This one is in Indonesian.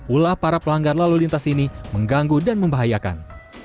ulah para pelanggar lalu lintas ini mengganggu dan membahayakan